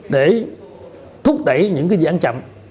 để thúc đẩy những cái dự án chậm